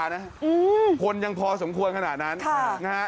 คนนี้คือยังพอสมควรขนาดนั้น